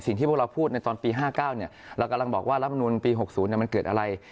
สิ่งที่พวกเราพูดในตอนปี๕๙เนี่ยเรากำลังบอกว่ารับมนุษย์ปี๖๐เนี่ยมันเกิดอะไร